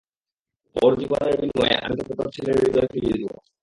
ওর জীবনের বিনিময়ে আমি তোকে তোর ছেলের হৃদয় ফিরিয়ে দিবো!